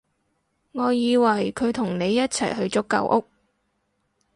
我以為佢同你一齊去咗舊屋